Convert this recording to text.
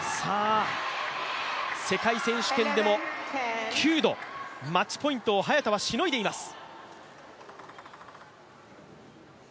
世界選手権でも９度、マッチポイントを早田はしのいでいます。